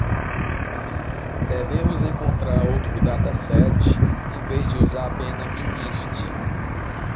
Devemos encontrar outro dataset em vez de usar apenas mnist.